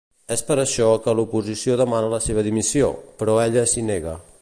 És per això que l'oposició demana la seva dimissió, però ella s'hi nega.